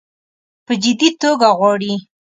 په جدي توګه غواړي.